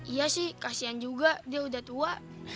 iya sih kasian juga dia udah tua